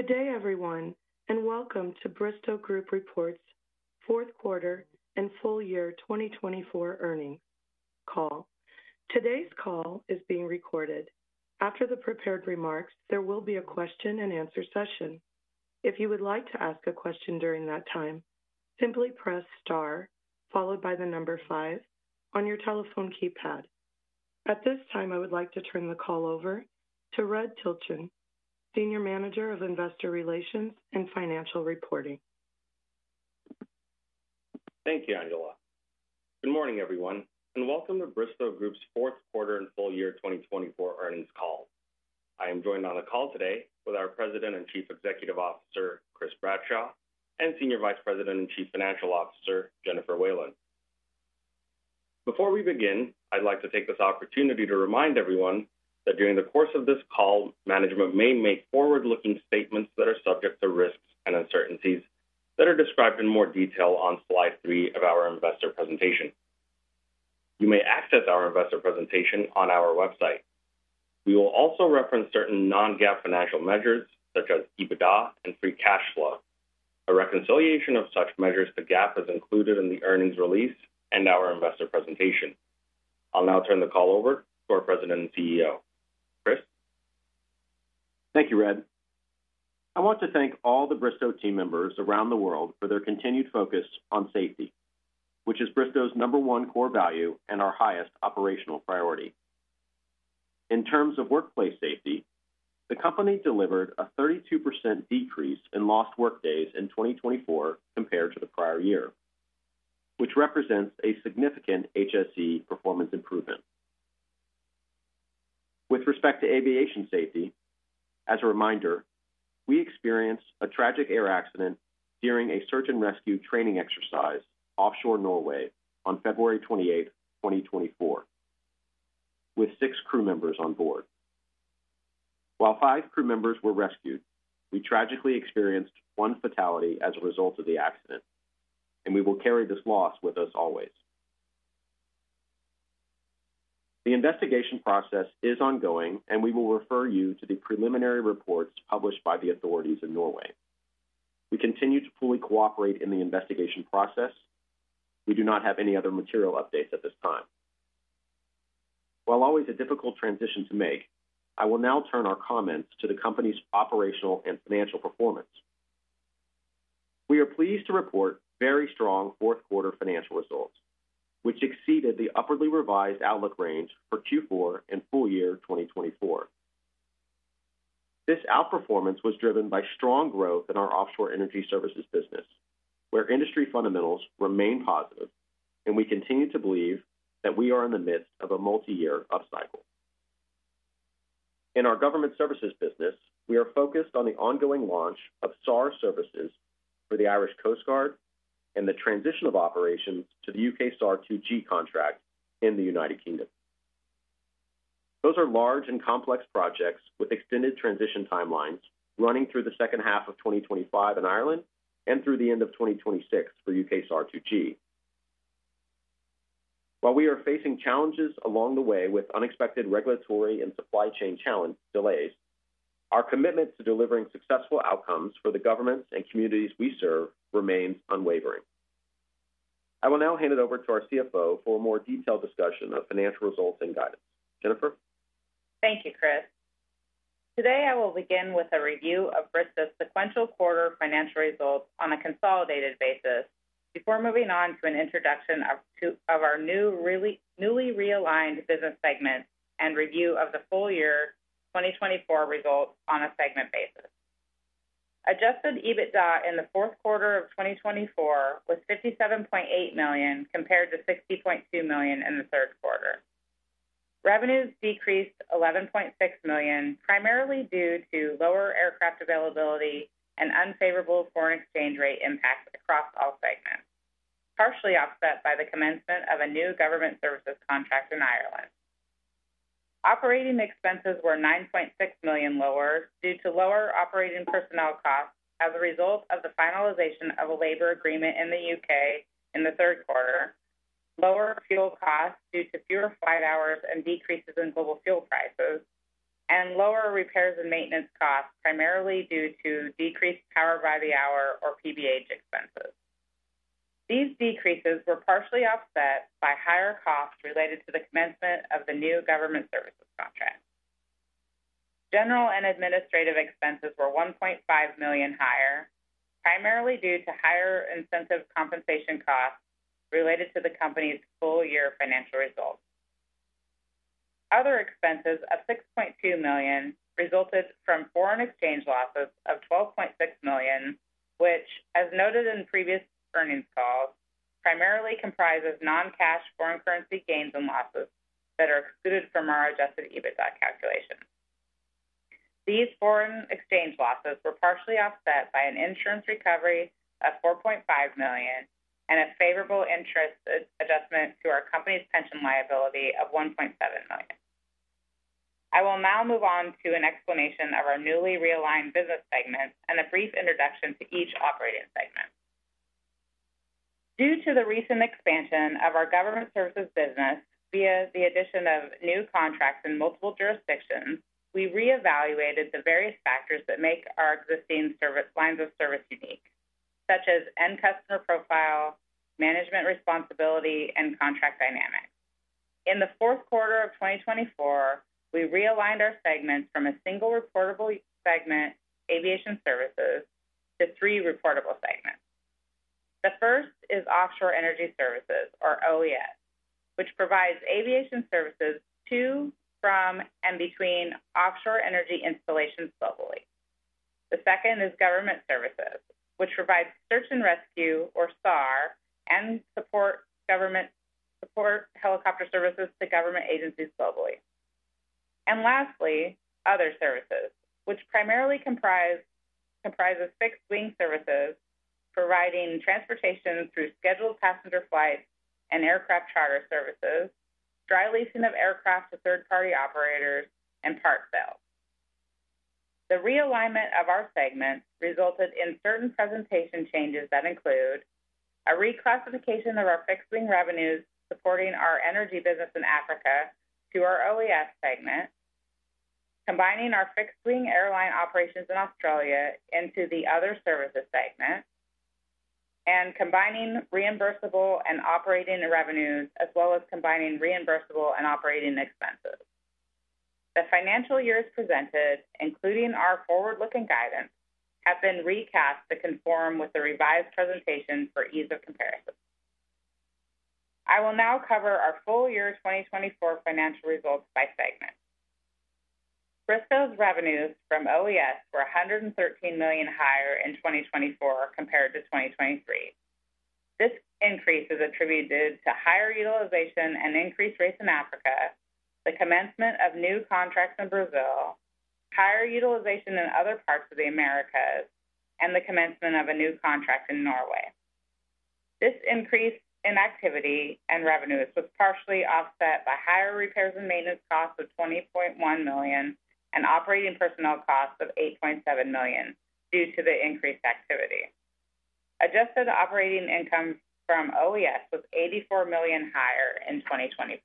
Good day, everyone, and welcome to Bristow Group's Fourth Quarter and Full Year 2024 Earnings Call. Today's call is being recorded. After the prepared remarks, there will be a question-and-answer session. If you would like to ask a question during that time, simply press star followed by the number five on your telephone keypad. At this time, I would like to turn the call over to Red Tilahun, Senior Manager of Investor Relations and Financial Reporting. Thank you, Angela. Good morning, everyone, and welcome to Bristow Group's Fourth Quarter and Full Year 2024 Earnings Call. I am joined on the call today with our President and Chief Executive Officer, Chris Bradshaw, and Senior Vice President and Chief Financial Officer, Jennifer Whalen. Before we begin, I'd like to take this opportunity to remind everyone that during the course of this call, management may make forward-looking statements that are subject to risks and uncertainties that are described in more detail on slide three of our investor presentation. You may access our investor presentation on our website. We will also reference certain non-GAAP financial measures such as EBITDA and free cash flow. A reconciliation of such measures to GAAP is included in the earnings release and our investor presentation. I'll now turn the call over to our President and CEO, Chris. Thank you, Red. I want to thank all the Bristow team members around the world for their continued focus on safety, which is Bristow's number one core value and our highest operational priority. In terms of workplace safety, the company delivered a 32% decrease in lost workdays in 2024 compared to the prior year, which represents a significant HSE performance improvement. With respect to aviation safety, as a reminder, we experienced a tragic air accident during a search and rescue training exercise offshore Norway on February 28, 2024, with six crew members on board. While five crew members were rescued, we tragically experienced one fatality as a result of the accident, and we will carry this loss with us always. The investigation process is ongoing, and we will refer you to the preliminary reports published by the authorities in Norway. We continue to fully cooperate in the investigation process. We do not have any other material updates at this time. While always a difficult transition to make, I will now turn our comments to the company's operational and financial performance. We are pleased to report very strong fourth quarter financial results, which exceeded the upwardly revised outlook range for Q4 and full year 2024. This outperformance was driven by strong growth in our offshore energy services business, where industry fundamentals remain positive, and we continue to believe that we are in the midst of a multi-year upcycle. In our government services business, we are focused on the ongoing launch of SAR services for the Irish Coast Guard and the transition of operations to the U.K. SAR2G contract in the United Kingdom. Those are large and complex projects with extended transition timelines running through the second half of 2025 in Ireland and through the end of 2026 for U.K. SAR2G. While we are facing challenges along the way with unexpected regulatory and supply chain challenge delays, our commitment to delivering successful outcomes for the governments and communities we serve remains unwavering. I will now hand it over to our CFO for a more detailed discussion of financial results and guidance. Jennifer. Thank you, Chris. Today, I will begin with a review of Bristow's sequential quarter financial results on a consolidated basis before moving on to an introduction of our newly realigned business segment and review of the full year 2024 results on a segment basis. Adjusted EBITDA in the fourth quarter of 2024 was $57.8 million compared to $60.2 million in the third quarter. Revenues decreased $11.6 million, primarily due to lower aircraft availability and unfavorable foreign exchange rate impacts across all segments, partially offset by the commencement of a new government services contract in Ireland. Operating expenses were $9.6 million lower due to lower operating personnel costs as a result of the finalization of a labor agreement in the U.K. in the third quarter, lower fuel costs due to fewer flight hours and decreases in global fuel prices, and lower repairs and maintenance costs primarily due to decreased power by the hour or PBH expenses. These decreases were partially offset by higher costs related to the commencement of the new government services contract. General and administrative expenses were $1.5 million higher, primarily due to higher incentive compensation costs related to the company's full year financial results. Other expenses of $6.2 million resulted from foreign exchange losses of $12.6 million, which, as noted in previous earnings calls, primarily comprises non-cash foreign currency gains and losses that are excluded from our Adjusted EBITDA calculation. These foreign exchange losses were partially offset by an insurance recovery of $4.5 million and a favorable interest adjustment to our company's pension liability of $1.7 million. I will now move on to an explanation of our newly realigned business segment and a brief introduction to each operating segment. Due to the recent expansion of our government services business via the addition of new contracts in multiple jurisdictions, we reevaluated the various factors that make our existing lines of service unique, such as end customer profile, management responsibility, and contract dynamics. In the fourth quarter of 2024, we realigned our segments from a single reportable segment, aviation services, to three reportable segments. The first is offshore energy services, or OES, which provides aviation services to, from, and between offshore energy installations globally. The second is government services, which provides search and rescue, or SAR, and support helicopter services to government agencies globally. And lastly, other services, which primarily comprise fixed wing services providing transportation through scheduled passenger flights and aircraft charter services, dry leasing of aircraft to third-party operators, and part sales. The realignment of our segment resulted in certain presentation changes that include a reclassification of our fixed wing revenues supporting our energy business in Africa to our OES segment, combining our fixed wing airline operations in Australia into the other services segment, and combining reimbursable and operating revenues as well as combining reimbursable and operating expenses. The financial years presented, including our forward-looking guidance, have been recast to conform with the revised presentation for ease of comparison. I will now cover our full year 2024 financial results by segment. Bristow's revenues from OES were $113 million higher in 2024 compared to 2023. This increase is attributed to higher utilization and increased rates in Africa, the commencement of new contracts in Brazil, higher utilization in other parts of the Americas, and the commencement of a new contract in Norway. This increase in activity and revenues was partially offset by higher repairs and maintenance costs of $20.1 million and operating personnel costs of $8.7 million due to the increased activity. Adjusted operating income from OES was $84 million higher in 2024.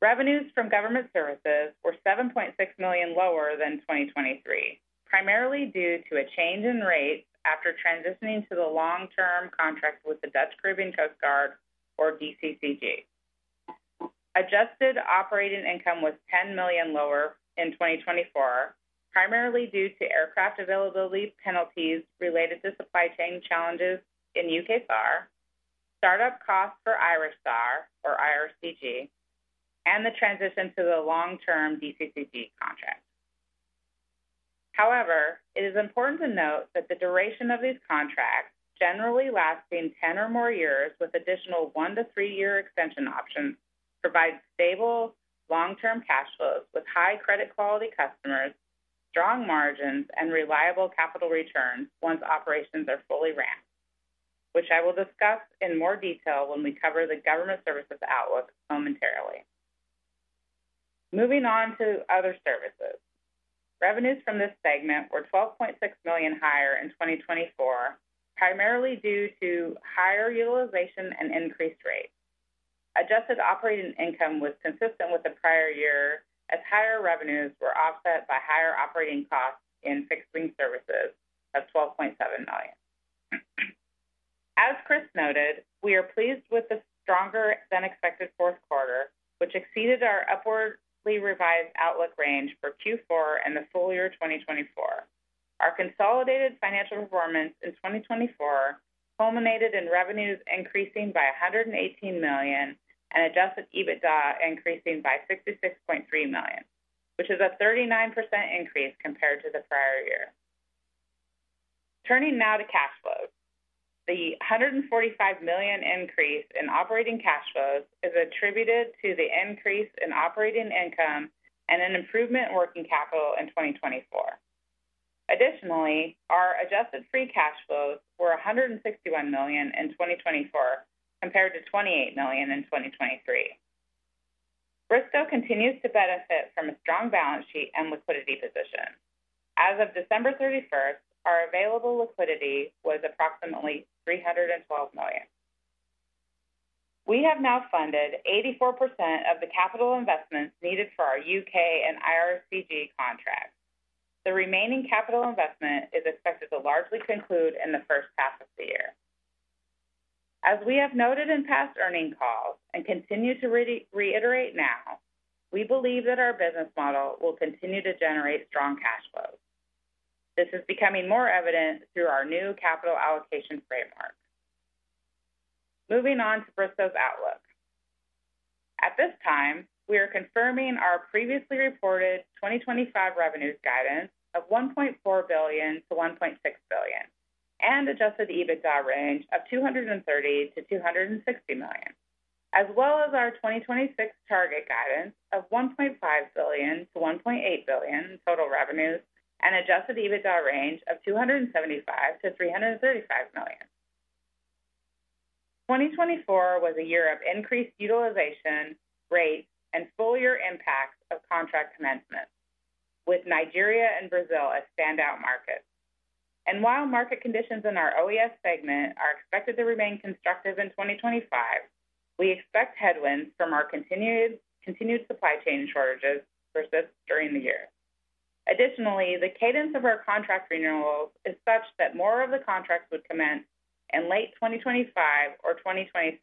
Revenues from government services were $7.6 million lower than 2023, primarily due to a change in rates after transitioning to the long-term contract with the Dutch Caribbean Coast Guard, or DCCG. Adjusted operating income was $10 million lower in 2024, primarily due to aircraft availability penalties related to supply chain challenges in U.K. SAR, startup costs for Irish SAR, or IRCG, and the transition to the long-term DCCG contract. However, it is important to note that the duration of these contracts, generally lasting 10 or more years with additional one- to three-year extension options, provide stable long-term cash flows with high credit quality customers, strong margins, and reliable capital returns once operations are fully ramped, which I will discuss in more detail when we cover the government services outlook momentarily. Moving on to other services, revenues from this segment were $12.6 million higher in 2024, primarily due to higher utilization and increased rates. Adjusted operating income was consistent with the prior year as higher revenues were offset by higher operating costs in fixed wing services of $12.7 million. As Chris noted, we are pleased with the stronger-than-expected fourth quarter, which exceeded our upwardly revised outlook range for Q4 and the full year 2024. Our consolidated financial performance in 2024 culminated in revenues increasing by $118 million and Adjusted EBITDA increasing by $66.3 million, which is a 39% increase compared to the prior year. Turning now to cash flows, the $145 million increase in operating cash flows is attributed to the increase in operating income and an improvement in working capital in 2024. Additionally, our adjusted free cash flows were $161 million in 2024 compared to $28 million in 2023. Bristow continues to benefit from a strong balance sheet and liquidity position. As of December 31st, our available liquidity was approximately $312 million. We have now funded 84% of the capital investments needed for our U.K. and IRCG contracts. The remaining capital investment is expected to largely conclude in the first half of the year. As we have noted in past earning calls and continue to reiterate now, we believe that our business model will continue to generate strong cash flows. This is becoming more evident through our new capital allocation framework. Moving on to Bristow's outlook. At this time, we are confirming our previously reported 2025 revenues guidance of $1.4 billion-$1.6 billion and Adjusted EBITDA range of $230 million-$260 million, as well as our 2026 target guidance of $1.5 billion-$1.8 billion total revenues and Adjusted EBITDA range of $275 million-$335 million. 2024 was a year of increased utilization rates and full year impacts of contract commencement, with Nigeria and Brazil as standout markets. While market conditions in our OES segment are expected to remain constructive in 2025, we expect headwinds from our continued supply chain shortages to persist during the year. Additionally, the cadence of our contract renewals is such that more of the contracts would commence in late 2025 or 2026,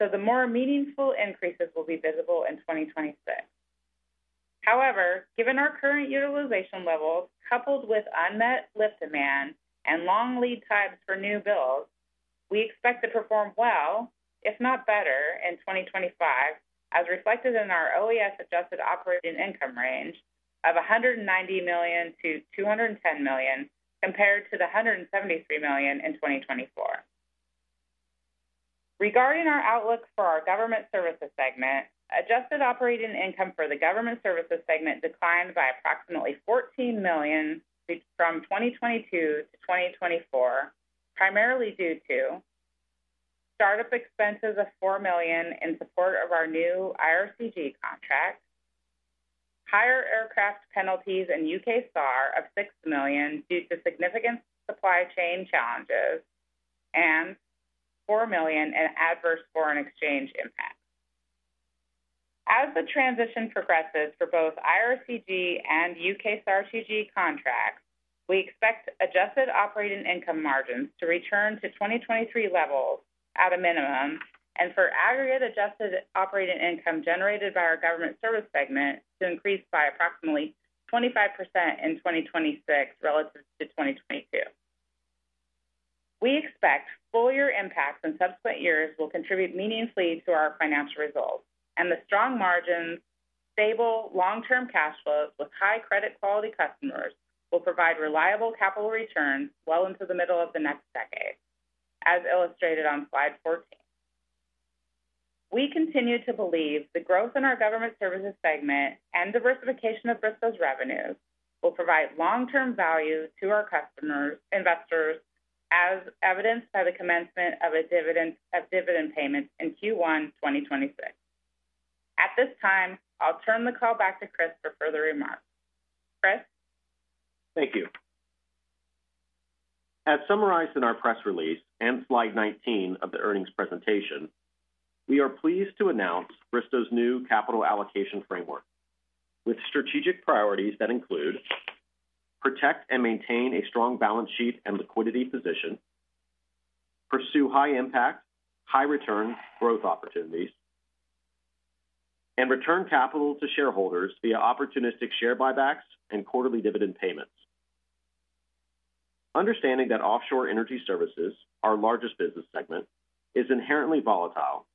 so the more meaningful increases will be visible in 2026. However, given our current utilization levels coupled with unmet lift demand and long lead times for new builds, we expect to perform well, if not better, in 2025, as reflected in our OES adjusted operating income range of $190 million-$210 million compared to the $173 million in 2024. Regarding our outlook for our government services segment, adjusted operating income for the government services segment declined by approximately $14 million from 2022 to 2024, primarily due to startup expenses of $4 million in support of our new IRCG contract, higher aircraft penalties in U.K. SAR of $6 million due to significant supply chain challenges, and $4 million in adverse foreign exchange impacts. As the transition progresses for both IRCG and U.K. SAR2G contracts, we expect adjusted operating income margins to return to 2023 levels at a minimum and for aggregate adjusted operating income generated by our government service segment to increase by approximately 25% in 2026 relative to 2022. We expect full year impacts in subsequent years will contribute meaningfully to our financial results, and the strong margins, stable long-term cash flows with high credit quality customers will provide reliable capital returns well into the middle of the next decade, as illustrated on slide 14. We continue to believe the growth in our government services segment and diversification of Bristow's revenues will provide long-term value to our customers and investors, as evidenced by the commencement of dividend payments in Q1 2026. At this time, I'll turn the call back to Chris for further remarks. Chris. Thank you. As summarized in our press release and slide 19 of the earnings presentation, we are pleased to announce Bristow's new capital allocation framework with strategic priorities that include: protect and maintain a strong balance sheet and liquidity position, pursue high-impact, high-return growth opportunities, and return capital to shareholders via opportunistic share buybacks and quarterly dividend payments. Understanding that offshore energy services, our largest business segment, is inherently volatile,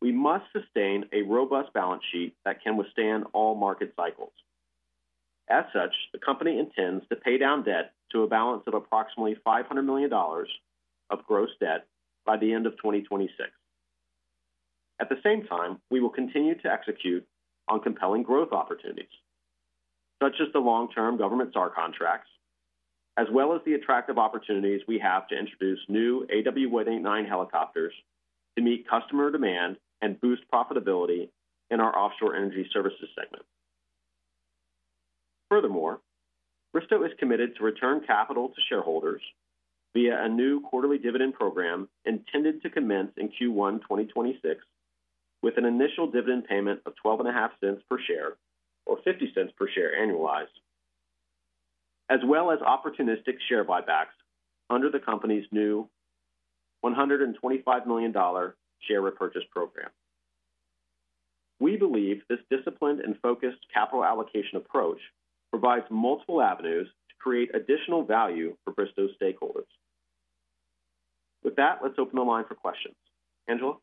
we must sustain a robust balance sheet that can withstand all market cycles. As such, the company intends to pay down debt to a balance of approximately $500 million of gross debt by the end of 2026. At the same time, we will continue to execute on compelling growth opportunities, such as the long-term government SAR contracts, as well as the attractive opportunities we have to introduce new AW189 helicopters to meet customer demand and boost profitability in our offshore energy services segment. Furthermore, Bristow is committed to return capital to shareholders via a new quarterly dividend program intended to commence in Q1 2026, with an initial dividend payment of $12.50 per share or $0.50 per share annualized, as well as opportunistic share buybacks under the company's new $125 million share repurchase program. We believe this disciplined and focused capital allocation approach provides multiple avenues to create additional value for Bristow's stakeholders. With that, let's open the line for questions. Angela.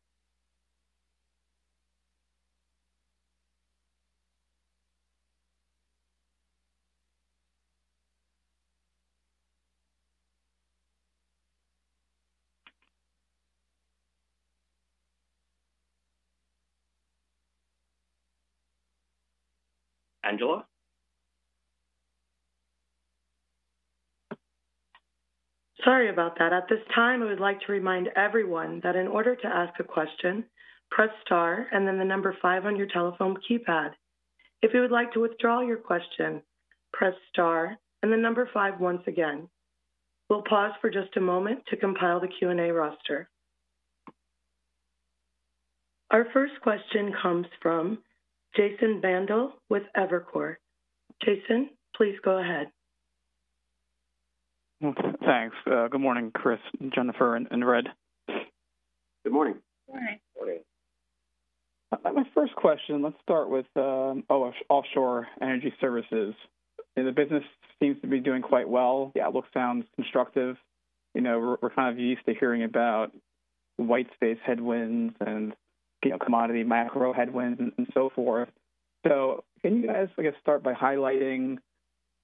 Angela. Sorry about that. At this time, I would like to remind everyone that in order to ask a question, press star and then the number five on your telephone keypad. If you would like to withdraw your question, press star and the number five once again. We'll pause for just a moment to compile the Q&A roster. Our first question comes from Jason Vandel with Evercore. Jason, please go ahead. Thanks. Good morning, Chris, Jennifer, and Red. Good morning. Good morning. My first question, let's start with, oh, offshore energy services. The business seems to be doing quite well. Yeah, it looks sound, constructive. You know, we're kind of used to hearing about white space headwinds and commodity macro headwinds and so forth. So can you guys, I guess, start by highlighting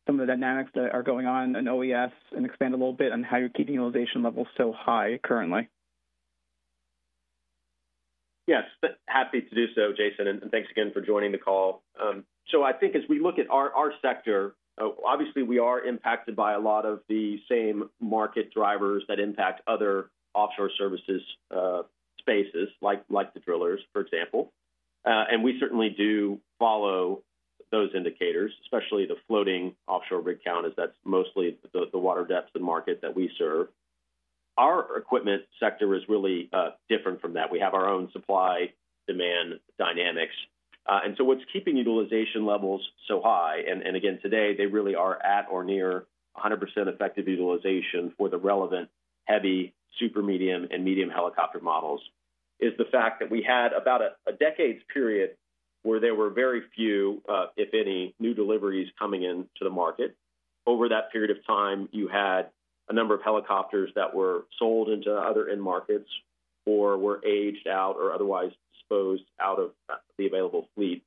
some of the dynamics that are going on in OES and expand a little bit on how you're keeping utilization levels so high currently? Yes, happy to do so, Jason, and thanks again for joining the call. So I think as we look at our sector, obviously we are impacted by a lot of the same market drivers that impact other offshore services spaces, like the drillers, for example. And we certainly do follow those indicators, especially the floating offshore rig count, as that's mostly the water depth and market that we serve. Our equipment sector is really different from that. We have our own supply demand dynamics. And so what's keeping utilization levels so high, and again, today they really are at or near 100% effective utilization for the relevant heavy super medium and medium helicopter models, is the fact that we had about a decade's period where there were very few, if any, new deliveries coming into the market. Over that period of time, you had a number of helicopters that were sold into other end markets or were aged out or otherwise disposed of out of the available fleet.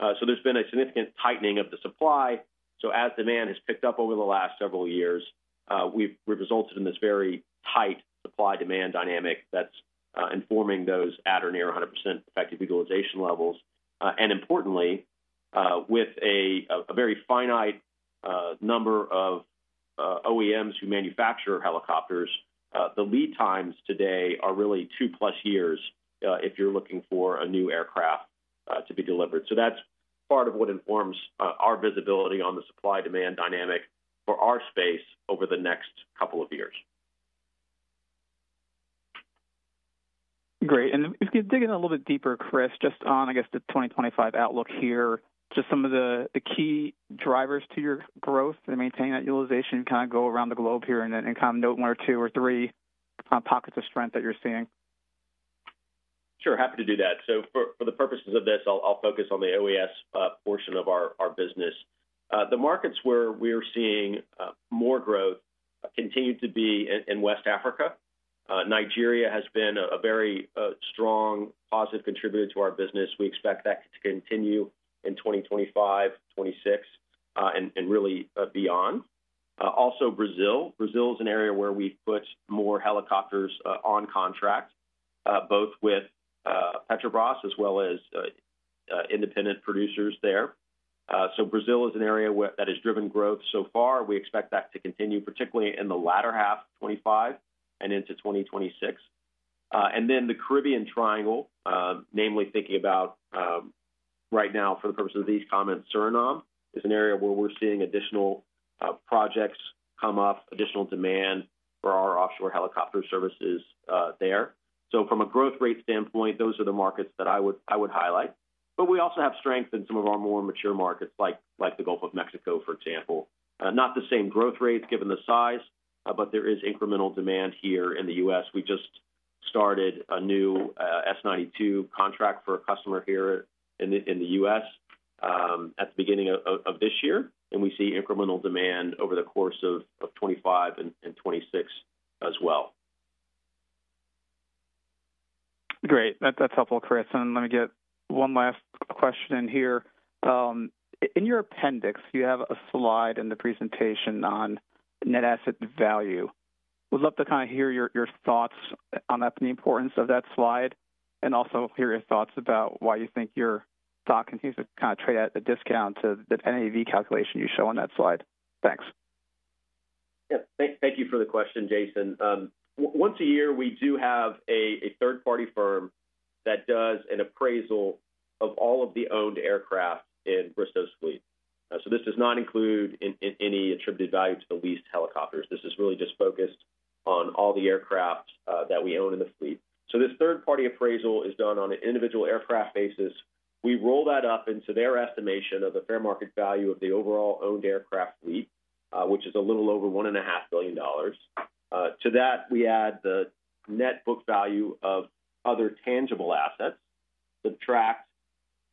So there's been a significant tightening of the supply. So as demand has picked up over the last several years, it's resulted in this very tight supply-demand dynamic that's informing those at or near 100% effective utilization levels. And importantly, with a very finite number of OEMs who manufacture helicopters, the lead times today are really two-plus years if you're looking for a new aircraft to be delivered. So that's part of what informs our visibility on the supply-demand dynamic for our space over the next couple of years. Great. And if you could dig in a little bit deeper, Chris, just on, I guess, the 2025 outlook here, just some of the key drivers to your growth to maintain that utilization, kind of go around the globe here and kind of note one or two or three pockets of strength that you're seeing? Sure, happy to do that. So for the purposes of this, I'll focus on the OES portion of our business. The markets where we're seeing more growth continue to be in West Africa. Nigeria has been a very strong, positive contributor to our business. We expect that to continue in 2025, 2026, and really beyond. Also, Brazil. Brazil is an area where we've put more helicopters on contract, both with Petrobras as well as independent producers there. So Brazil is an area that has driven growth so far. We expect that to continue, particularly in the latter half of 2025 and into 2026. And then the Caribbean Triangle, namely thinking about right now for the purpose of these comments, Suriname, is an area where we're seeing additional projects come up, additional demand for our offshore helicopter services there. So from a growth rate standpoint, those are the markets that I would highlight. But we also have strength in some of our more mature markets, like the Gulf of Mexico, for example. Not the same growth rates given the size, but there is incremental demand here in the U.S. We just started a new S92 contract for a customer here in the U.S. at the beginning of this year, and we see incremental demand over the course of 2025 and 2026 as well. Great. That's helpful, Chris. And let me get one last question here. In your appendix, you have a slide in the presentation on net asset value. We'd love to kind of hear your thoughts on that, the importance of that slide, and also hear your thoughts about why you think your stock continues to kind of trade at a discount to the NAV calculation you show on that slide. Thanks. Yep. Thank you for the question, Jason. Once a year, we do have a third-party firm that does an appraisal of all of the owned aircraft in Bristow's fleet. So this does not include any attributed value to the leased helicopters. This is really just focused on all the aircraft that we own in the fleet. So this third-party appraisal is done on an individual aircraft basis. We roll that up into their estimation of the fair market value of the overall owned aircraft fleet, which is a little over $1.5 billion. To that, we add the net book value of other tangible assets, subtract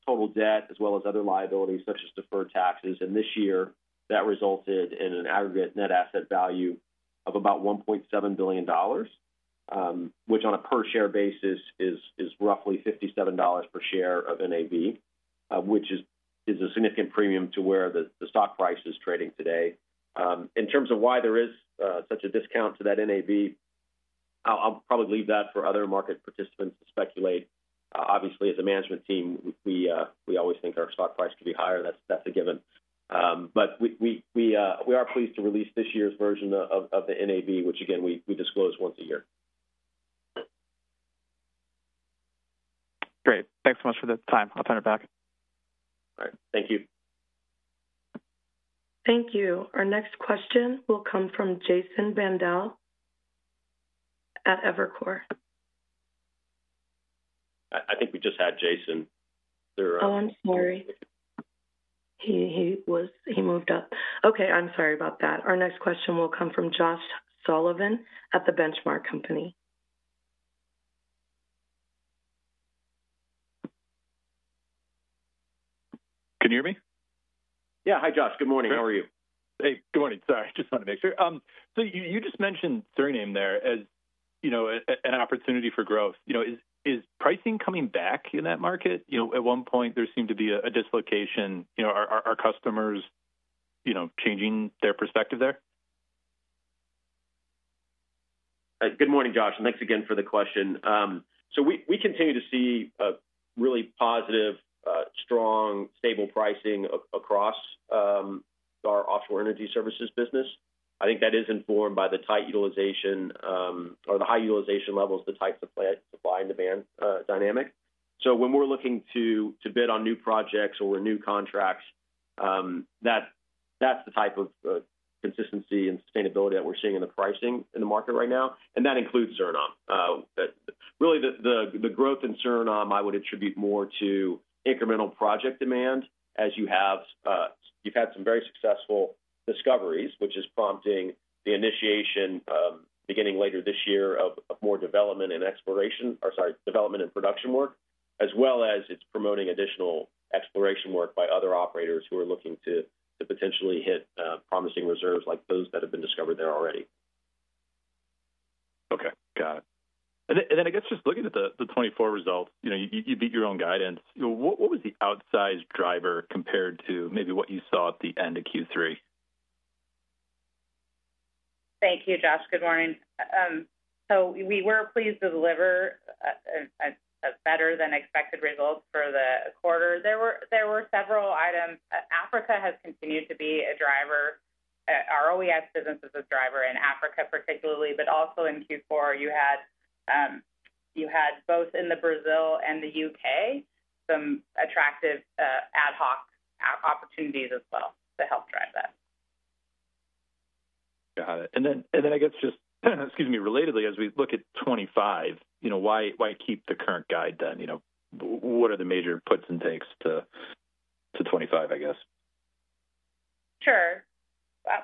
total debt, as well as other liabilities such as deferred taxes. This year, that resulted in an aggregate Net Asset Value of about $1.7 billion, which on a per-share basis is roughly $57 per share of NAV, which is a significant premium to where the stock price is trading today. In terms of why there is such a discount to that NAV, I'll probably leave that for other market participants to speculate. Obviously, as a management team, we always think our stock price could be higher. That's a given. We are pleased to release this year's version of the NAV, which, again, we disclose once a year. Great. Thanks so much for the time. I'll turn it back. All right. Thank you. Thank you. Our next question will come from Jason Vandel at Evercore. I think we just had Jason. Oh, I'm sorry. He moved up. Okay. I'm sorry about that. Our next question will come from Josh Sullivan at The Benchmark Company. Can you hear me? Yeah. Hi, Josh. Good morning. How are you? Hey. Good morning. Sorry. Just wanted to make sure. So you just mentioned Suriname there as an opportunity for growth. Is pricing coming back in that market? At one point, there seemed to be a dislocation. Are customers changing their perspective there? Good morning, Josh, and thanks again for the question, so we continue to see really positive, strong, stable pricing across our offshore energy services business. I think that is informed by the tight utilization or the high utilization levels, the tight supply and demand dynamic, so when we're looking to bid on new projects or new contracts, that's the type of consistency and sustainability that we're seeing in the pricing in the market right now, and that includes Suriname. Really, the growth in Suriname, I would attribute more to incremental project demand as you've had some very successful discoveries, which is prompting the initiation, beginning later this year, of more development and exploration or, sorry, development and production work, as well as it's promoting additional exploration work by other operators who are looking to potentially hit promising reserves like those that have been discovered there already. Okay. Got it. And then I guess just looking at the 2024 results, you beat your own guidance. What was the outsized driver compared to maybe what you saw at the end of Q3? Thank you, Josh. Good morning. So we were pleased to deliver a better-than-expected result for the quarter. There were several items. Africa has continued to be a driver. Our OES business is a driver in Africa, particularly, but also in Q4, you had both in Brazil and the U.K. some attractive ad hoc opportunities as well to help drive that. Got it. And then I guess just, excuse me, relatedly, as we look at 2025, why keep the current guide then? What are the major puts and takes to 2025, I guess? Sure.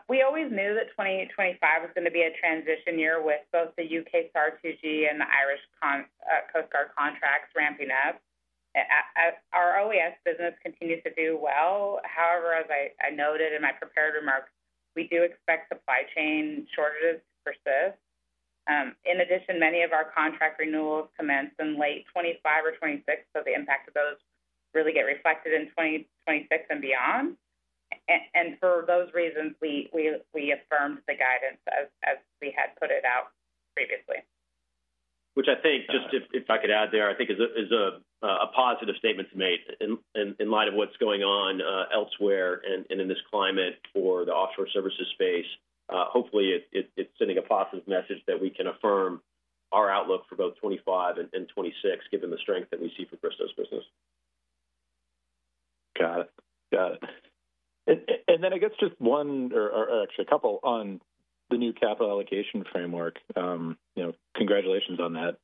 We always knew that 2025 was going to be a transition year with both the U.K. SAR2G and the Irish Coast Guard contracts ramping up. Our OES business continues to do well. However, as I noted in my prepared remarks, we do expect supply chain shortages to persist. In addition, many of our contract renewals commence in late 2025 or 2026, so the impact of those really gets reflected in 2026 and beyond, and for those reasons, we affirmed the guidance as we had put it out previously. Which I think, just if I could add there, I think is a positive statement to make in light of what's going on elsewhere and in this climate for the offshore services space. Hopefully, it's sending a positive message that we can affirm our outlook for both 2025 and 2026, given the strength that we see for Bristow's business. Got it. Got it. And then I guess just one, or actually a couple, on the new capital allocation framework. Congratulations on that.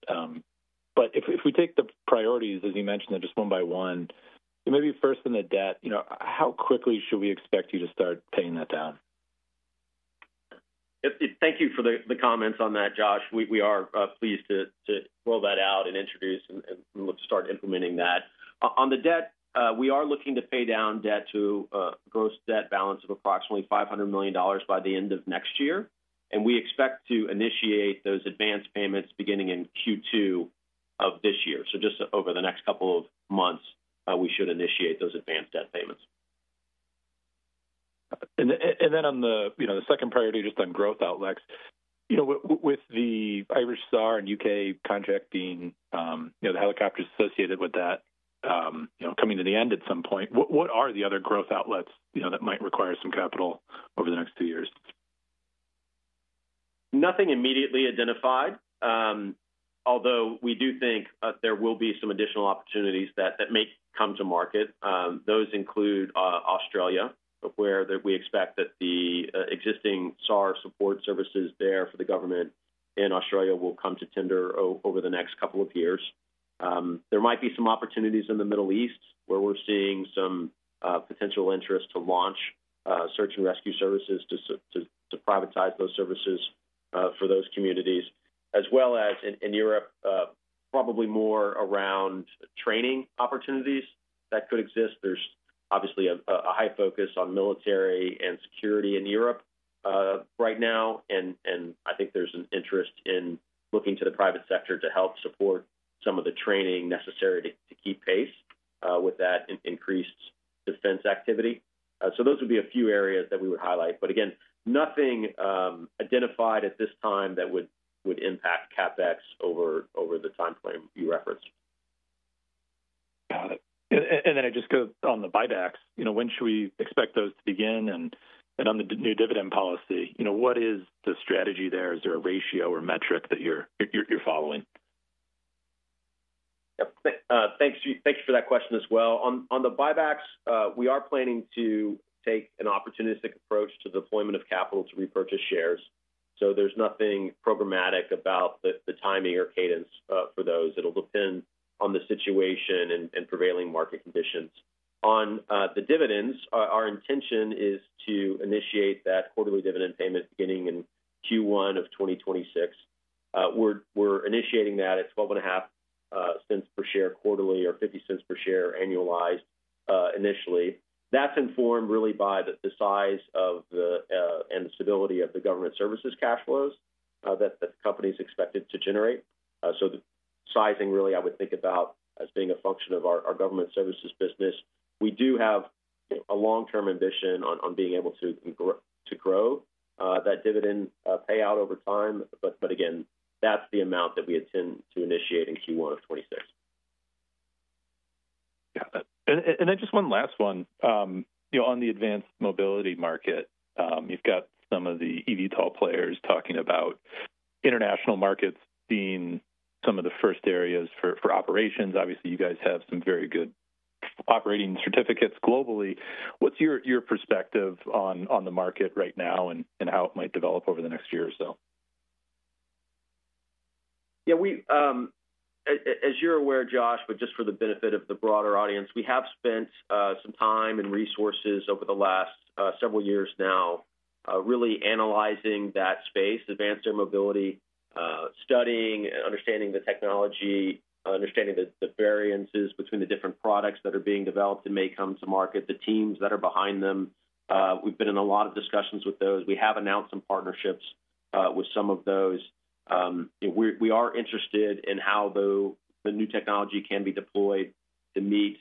But if we take the priorities, as you mentioned, just one by one, maybe first in the debt, how quickly should we expect you to start paying that down? Thank you for the comments on that, Josh. We are pleased to roll that out and introduce and start implementing that. On the debt, we are looking to pay down debt to a gross debt balance of approximately $500 million by the end of next year. And we expect to initiate those advanced payments beginning in Q2 of this year. So just over the next couple of months, we should initiate those advanced debt payments. And then on the second priority, just on growth outlets, with the Irish SAR and U.K. contracting, the helicopters associated with that coming to the end at some point, what are the other growth outlets that might require some capital over the next two years? Nothing immediately identified, although we do think there will be some additional opportunities that may come to market. Those include Australia, where we expect that the existing SAR support services there for the government in Australia will come to tender over the next couple of years. There might be some opportunities in the Middle East where we're seeing some potential interest to launch search and rescue services to privatize those services for those communities, as well as in Europe, probably more around training opportunities that could exist. There's obviously a high focus on military and security in Europe right now, and I think there's an interest in looking to the private sector to help support some of the training necessary to keep pace with that increased defense activity, so those would be a few areas that we would highlight. But again, nothing identified at this time that would impact CapEx over the timeframe you referenced. Got it. And then I just go on the buybacks. When should we expect those to begin? And on the new dividend policy, what is the strategy there? Is there a ratio or metric that you're following? Yep. Thanks for that question as well. On the buybacks, we are planning to take an opportunistic approach to the deployment of capital to repurchase shares. So there's nothing programmatic about the timing or cadence for those. It'll depend on the situation and prevailing market conditions. On the dividends, our intention is to initiate that quarterly dividend payment beginning in Q1 of 2026. We're initiating that at $0.125 per share quarterly or $0.50 per share annualized initially. That's informed really by the size and the stability of the government services cash flows that the company is expected to generate. So the sizing really, I would think about as being a function of our government services business. We do have a long-term ambition on being able to grow that dividend payout over time. But again, that's the amount that we intend to initiate in Q1 of 2026. Got it. And then just one last one. On the advanced mobility market, you've got some of the eVTOL players talking about international markets being some of the first areas for operations. Obviously, you guys have some very good operating certificates globally. What's your perspective on the market right now and how it might develop over the next year or so? Yeah. As you're aware, Josh, but just for the benefit of the broader audience, we have spent some time and resources over the last several years now really analyzing that space, advanced air mobility, studying and understanding the technology, understanding the variances between the different products that are being developed and may come to market, the teams that are behind them. We've been in a lot of discussions with those. We have announced some partnerships with some of those. We are interested in how the new technology can be deployed to meet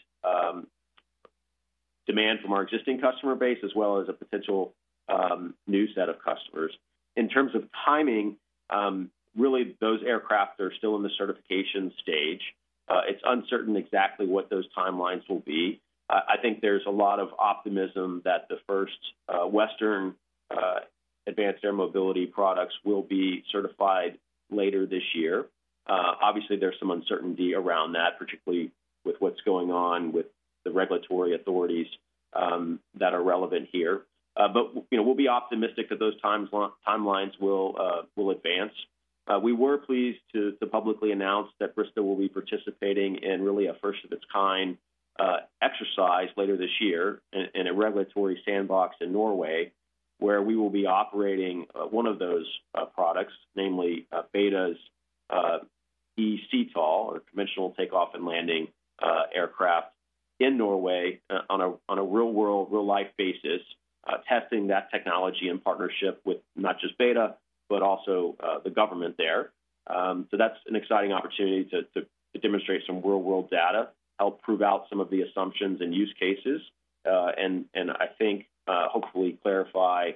demand from our existing customer base as well as a potential new set of customers. In terms of timing, really, those aircraft are still in the certification stage. It's uncertain exactly what those timelines will be. I think there's a lot of optimism that the first Western advanced air mobility products will be certified later this year. Obviously, there's some uncertainty around that, particularly with what's going on with the regulatory authorities that are relevant here. But we'll be optimistic that those timelines will advance. We were pleased to publicly announce that Bristow will be participating in really a first-of-its-kind exercise later this year in a regulatory sandbox in Norway, where we will be operating one of those products, namely Beta's eCTOL, or conventional takeoff and landing aircraft, in Norway on a real-world, real-life basis, testing that technology in partnership with not just Beta, but also the government there. So that's an exciting opportunity to demonstrate some real-world data, help prove out some of the assumptions and use cases, and I think hopefully clarify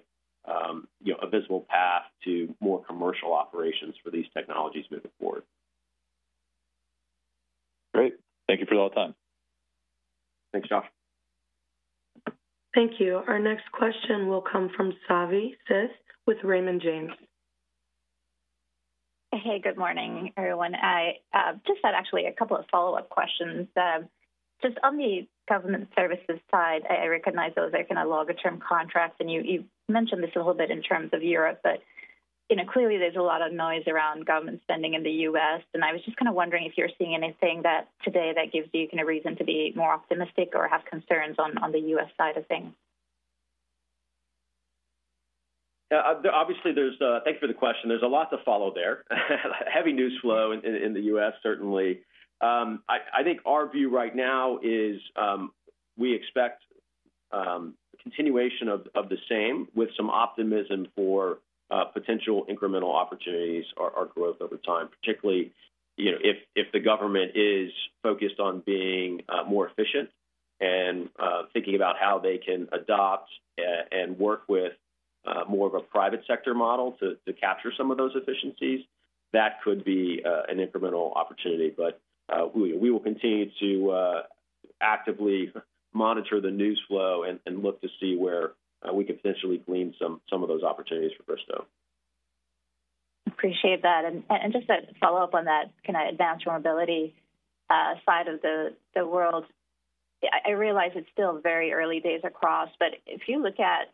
a visible path to more commercial operations for these technologies moving forward. Great. Thank you for the hold time. Thanks, Josh. Thank you. Our next question will come from Savi Syth with Raymond James. Hey, good morning, everyone. I just had actually a couple of follow-up questions. Just on the government services side, I recognize those are kind of longer-term contracts, and you mentioned this a little bit in terms of Europe, but clearly, there's a lot of noise around government spending in the U.S., and I was just kind of wondering if you're seeing anything today that gives you a reason to be more optimistic or have concerns on the U.S. side of things? Yeah. Obviously, thanks for the question. There's a lot to follow there. Heavy news flow in the U.S., certainly. I think our view right now is we expect continuation of the same with some optimism for potential incremental opportunities or growth over time, particularly if the government is focused on being more efficient and thinking about how they can adopt and work with more of a private sector model to capture some of those efficiencies. That could be an incremental opportunity. But we will continue to actively monitor the news flow and look to see where we can potentially glean some of those opportunities for Bristow. Appreciate that. And just to follow up on that kind of advanced mobility side of the world, I realize it's still very early days across, but if you look at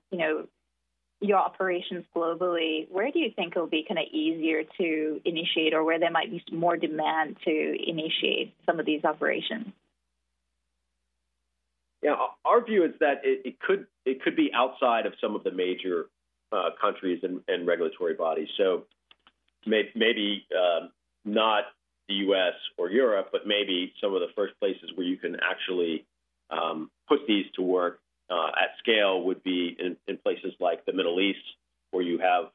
your operations globally, where do you think it'll be kind of easier to initiate or where there might be more demand to initiate some of these operations? Yeah. Our view is that it could be outside of some of the major countries and regulatory bodies. So maybe not the U.S. or Europe, but maybe some of the first places where you can actually put these to work at scale would be in places like the Middle East, where you have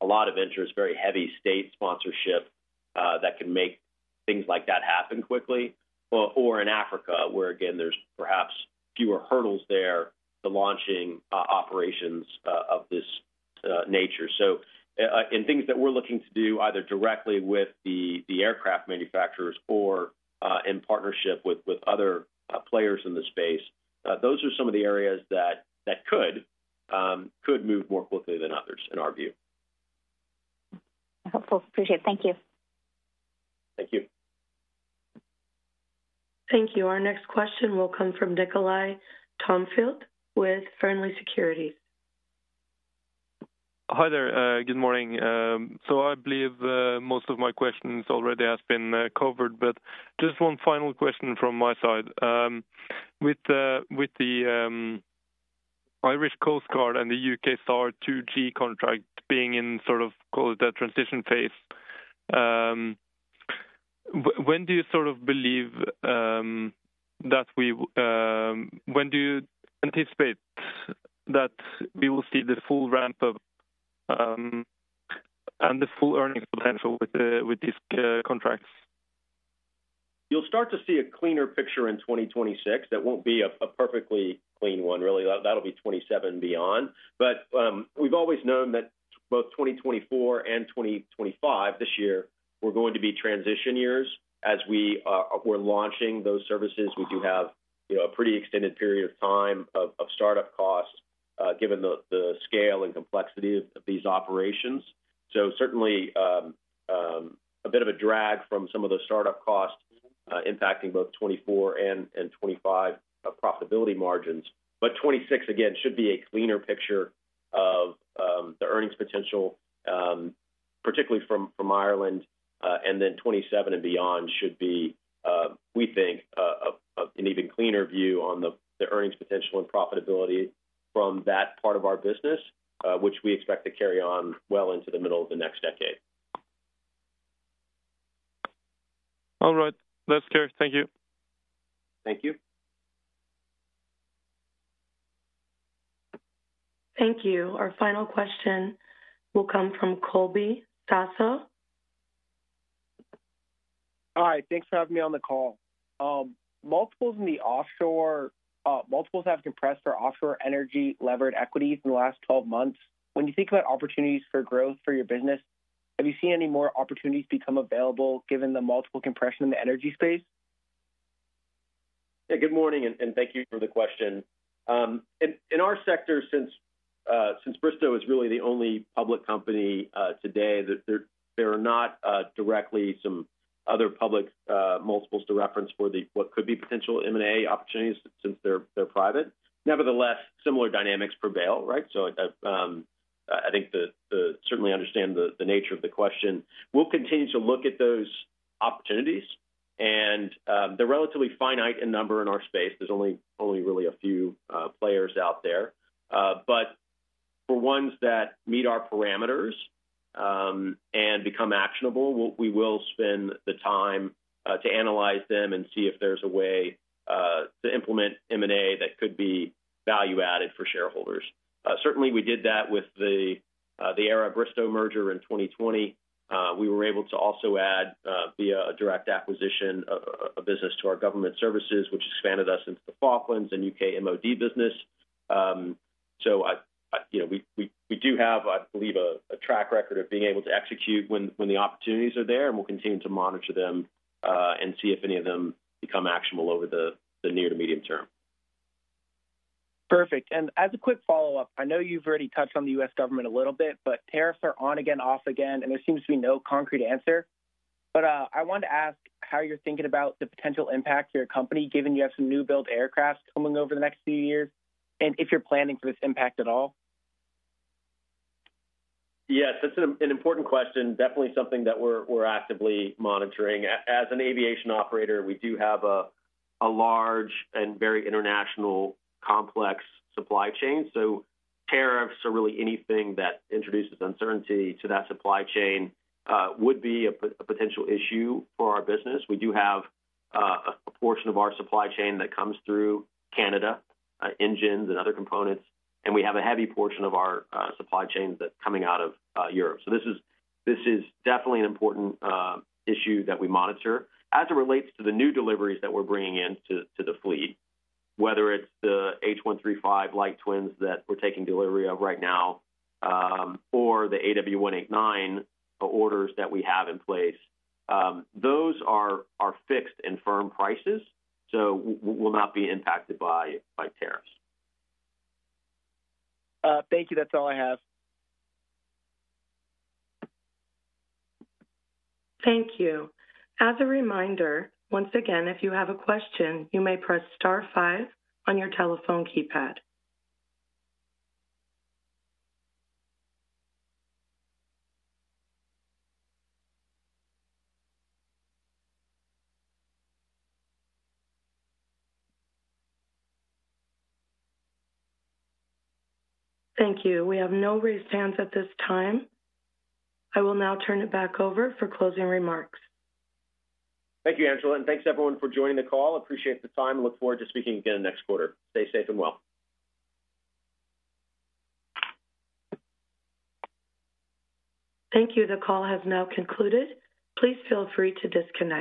a lot of interest, very heavy state sponsorship that can make things like that happen quickly, or in Africa, where, again, there's perhaps fewer hurdles there to launching operations of this nature. So in things that we're looking to do either directly with the aircraft manufacturers or in partnership with other players in the space, those are some of the areas that could move more quickly than others, in our view. Helpful. Appreciate it. Thank you. Thank you. Thank you. Our next question will come from Nikolai Tørnfeldt with Fearnley Securities. Hi there. Good morning. I believe most of my questions already have been covered, but just one final question from my side. With the Irish Coast Guard and the U.K. SAR2G contract being in sort of, call it that, transition phase, when do you anticipate that we will see the full ramp-up and the full earnings potential with these contracts? You'll start to see a cleaner picture in 2026. That won't be a perfectly clean one, really. That'll be 2027 and beyond. But we've always known that both 2024 and 2025, this year, were going to be transition years as we were launching those services. We do have a pretty extended period of time of startup costs given the scale and complexity of these operations. So certainly, a bit of a drag from some of those startup costs impacting both 2024 and 2025 profitability margins. But 2026, again, should be a cleaner picture of the earnings potential, particularly from Ireland. And then 2027 and beyond should be, we think, an even cleaner view on the earnings potential and profitability from that part of our business, which we expect to carry on well into the middle of the next decade. All right. That's clear. Thank you. Thank you. Thank you. Our final question will come from Colby Sasso. Hi. Thanks for having me on the call. Multiples have compressed for offshore energy levered equities in the last 12 months. When you think about opportunities for growth for your business, have you seen any more opportunities become available given the multiple compression in the energy space? Yeah. Good morning, and thank you for the question. In our sector, since Bristow is really the only public company today, there are not directly some other public multiples to reference for what could be potential M&A opportunities since they're private. Nevertheless, similar dynamics prevail, right? So I think they certainly understand the nature of the question. We'll continue to look at those opportunities. And they're relatively finite in number in our space. There's only really a few players out there. But for ones that meet our parameters and become actionable, we will spend the time to analyze them and see if there's a way to implement M&A that could be value-added for shareholders. Certainly, we did that with the Era Bristow merger in 2020. We were able to also add, via a direct acquisition, a business to our government services, which expanded us into the Falklands and U.K. MOD business. So we do have, I believe, a track record of being able to execute when the opportunities are there. And we'll continue to monitor them and see if any of them become actionable over the near to medium term. Perfect, and as a quick follow-up, I know you've already touched on the U.S. government a little bit, but tariffs are on again, off again, and there seems to be no concrete answer. But I wanted to ask how you're thinking about the potential impact for your company, given you have some new-build aircraft coming over the next few years, and if you're planning for this impact at all? Yes. That's an important question. Definitely something that we're actively monitoring. As an aviation operator, we do have a large and very international complex supply chain. So tariffs are really anything that introduces uncertainty to that supply chain would be a potential issue for our business. We do have a portion of our supply chain that comes through Canada, engines and other components, and we have a heavy portion of our supply chain that's coming out of Europe, so this is definitely an important issue that we monitor. As it relates to the new deliveries that we're bringing into the fleet, whether it's the H135 Light Twins that we're taking delivery of right now or the AW189 orders that we have in place, those are fixed and firm prices, so will not be impacted by tariffs. Thank you. That's all I have. Thank you. As a reminder, once again, if you have a question, you may press star five on your telephone keypad. Thank you. We have no raised hands at this time. I will now turn it back over for closing remarks. Thank you, Angela. And thanks, everyone, for joining the call. Appreciate the time and look forward to speaking again next quarter. Stay safe and well. Thank you. The call has now concluded. Please feel free to disconnect.